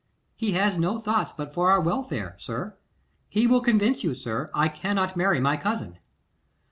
'He has no thoughts but for our welfare, sir. He will convince you, sir, I cannot marry my cousin.